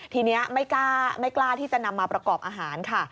ทีนี้ไม่กล้าที่จะนำมาประกอบอาหารค่ะ